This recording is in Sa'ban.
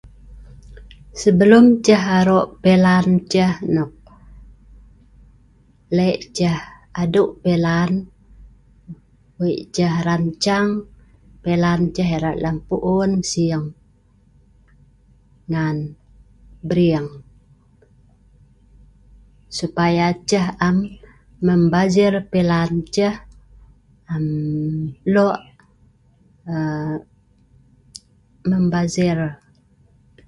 Sebelum ceh aroq pelan ceh nok le’ ceh adeu pelan wei ceh rancang wet pelan ceh lem puun sieng ngan briing supaya ceh am membazir pelan ceh an lo’o aa…membaxir